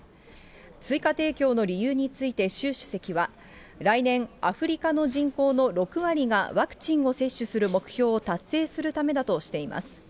追加提供の理由について習主席は、来年アフリカの人口の６割が、ワクチンを接種する目標を達成するためだとしています。